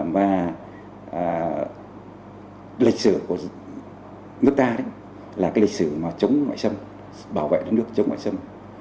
và lịch sử của nước ta là cái lịch sử mà chống ngoại xâm bảo vệ đất nước chống ngoại xâm